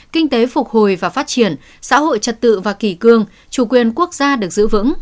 kinh tế phục hồi và phát triển xã hội trật tự và kỳ cương chủ quyền quốc gia được giữ vững